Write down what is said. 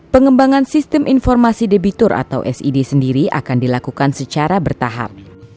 pengembangan sistem informasi debitur atau sid sendiri akan dilakukan secara bertahap